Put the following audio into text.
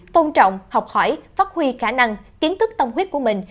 tôn trọng học hỏi phát huy khả năng kiến thức tâm huyết của mình